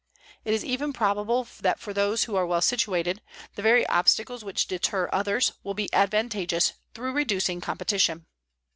It is even probable that for those who are well situated, the very obstacles which deter others will be advantageous through reducing competition.